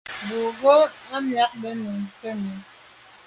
Bo ghù à miagte nu sènni.